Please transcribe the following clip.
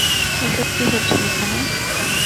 এসব কি হচ্ছে এখানে?